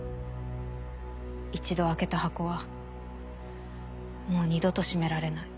一度開けた箱はもう二度と閉められない。